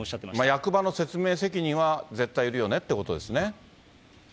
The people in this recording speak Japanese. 役場の説明責任は絶対いるよねってことですよね。